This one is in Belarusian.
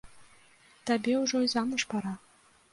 Табе ўжо і замуж пара.